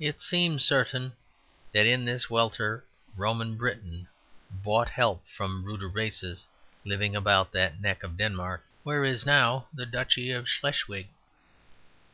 It seems certain that in this welter Roman Britain bought help from ruder races living about that neck of Denmark where is now the duchy of Schleswig.